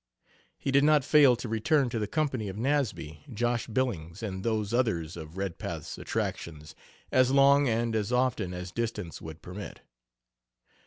He did not fail to return to the company of Nasby, Josh Billings, and those others of Redpath's "attractions" as long and as often as distance would permit.